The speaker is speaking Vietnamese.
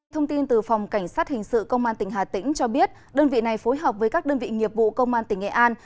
thông tin từ phòng cảnh sát hình sự công an tỉnh hà tĩnh cho biết đơn vị này phối hợp với các đơn vị nghiệp vụ công an tỉnh nghệ an